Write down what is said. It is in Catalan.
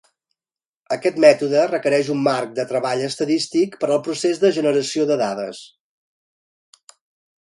Aquest mètode requereix un marc de treball estadístic per al procés de generació de dades.